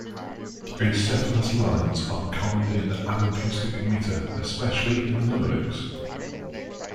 Acephalous lines are common in anapestic metre, especially in limericks.